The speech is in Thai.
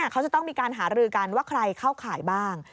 เขาจะต้องมีการหารือกันว่าใครเข้าข่ายบ้าง